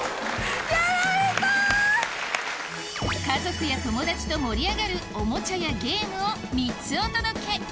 家族や友達と盛り上がるおもちゃやゲームを３つお届け